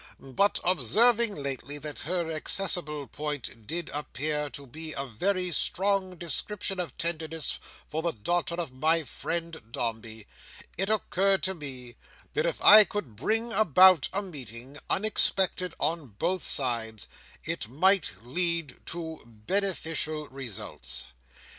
But, observing lately, that her accessible point did appear to be a very strong description of tenderness for the daughter of my friend Dombey, it occurred to me that if I could bring about a meeting, unexpected on both sides, it might lead to beneficial results.